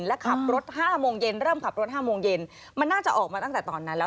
และขับรถห้าโมงเย็นเริ่มขับรถห้าโมงเย็นมันน่าจะออกมาตั้งแต่ตอนนั้นแล้ว